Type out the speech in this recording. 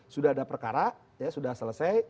sudah ada perkara ya sudah selesai